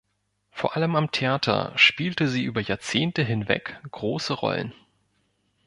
Vor allem am Theater spielte sie über Jahrzehnte hinweg große Rollen.